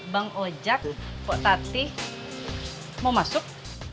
bang ojak pak tati mau masuk